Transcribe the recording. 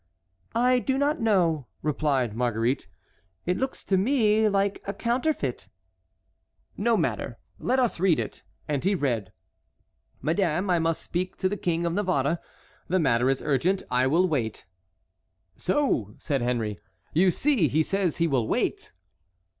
"I do not know," replied Marguerite. "It looks to me like a counterfeit." "No matter, let us read it." And he read: "Madame, I must speak to the King of Navarre. The matter is urgent. I will wait." "So!" said Henry—"you see, he says he will wait."